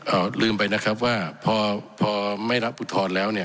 ลืมไปนะครับว่าพอพอไม่รับอุทธรณ์แล้วเนี่ย